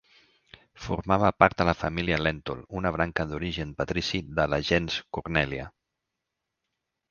Formava part de la família Lèntul, una branca d'origen patrici de la gens Cornèlia.